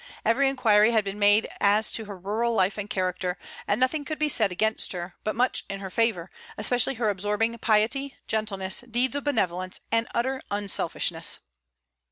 Every inquiry had been made as to her rural life and character, and nothing could be said against her, but much in her favor; especially her absorbing piety, gentleness, deeds of benevolence, and utter unselfishness.